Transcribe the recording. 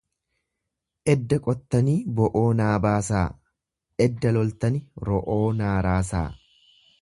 Edda qottanii bo'oo naan baasaa, edda loltani ro'oo naaraasaa.